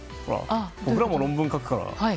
僕らも論文書くから。